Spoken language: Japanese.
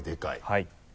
はい。